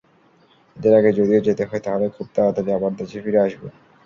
ঈদের আগে যদিও যেতে হয়, তাহলে খুব তাড়াতাড়ি আবার দেশে ফিরে আসব।